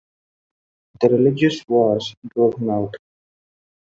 The religious wars drove him out.